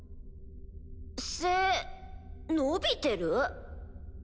背伸びてる？